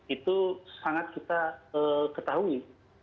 itu sangat kita ketahui